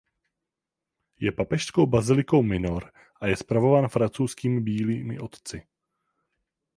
Je papežskou bazilikou minor a je spravován francouzskými Bílými otci.